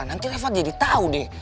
nanti riva jadi tau deh